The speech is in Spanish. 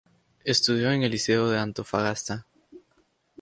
Estudió en el Liceo de Antofagasta.